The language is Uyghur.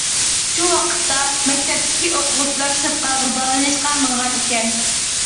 شۇ ۋاقىتتا، مەكتەپتىكى ئوقۇغۇچىلار سىرتقا غىزالىنىشقا ماڭغان ئىكەن.